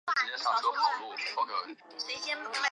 促进、保障疫期、疫后更加及时有效履行检察职能